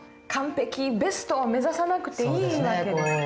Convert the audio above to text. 完璧ベストを目指さなくていい訳ですか。